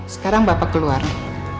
sekarang bapak keluarnya